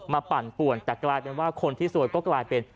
ปั่นป่วนแต่กลายเป็นว่าคนที่ซวยก็กลายเป็น